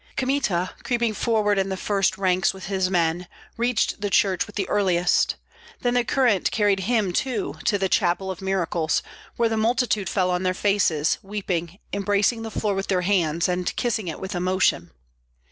Kmita, creeping forward in the first ranks with his men, reached the church with the earliest; then the current carried him too to the chapel of miracles, where the multitude fell on their faces, weeping, embracing the floor with their hands, and kissing it with emotion.